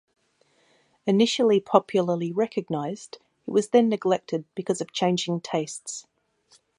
Initially popularly recognised, he was then neglected because of changing tastes.